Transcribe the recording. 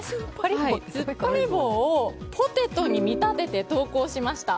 突っ張り棒をポテトに見立てて投稿しました。